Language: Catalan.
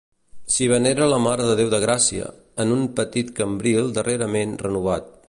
S'hi venera la Mare de Déu de Gràcia, en un petit cambril darrerament renovat.